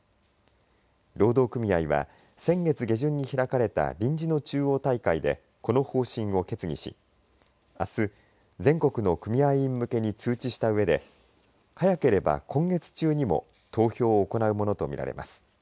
労働組合は、先月下旬に開かれた臨時の中央大会でこの方針を決議しあす、全国の組合員向けに通知したうえで早ければ今月中にも投票を行うものと見られます。